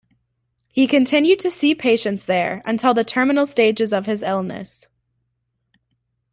He continued to see patients there until the terminal stages of his illness.